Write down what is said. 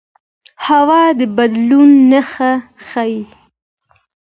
هوا د بدلون نښې ښيي